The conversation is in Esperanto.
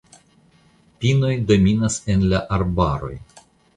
Pinoj dominas en la arbaroj.